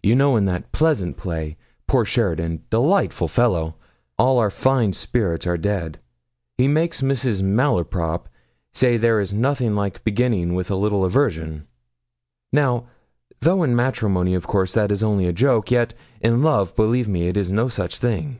You know in that pleasant play, poor Sheridan delightful fellow! all our fine spirits are dead he makes Mrs. Malaprop say there is nothing like beginning with a little aversion. Now, though in matrimony, of course, that is only a joke, yet in love, believe me, it is no such thing.